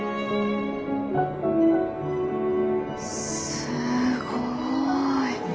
すごい。